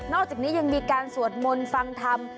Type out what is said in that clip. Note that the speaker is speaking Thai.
อกจากนี้ยังมีการสวดมนต์ฟังธรรม